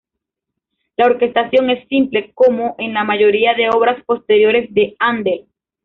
La orquestación es simple, como en la mayoría de obras posteriores de Händel.